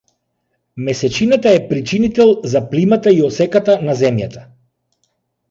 Месечината е причинител за плимата и осеката на Земјата.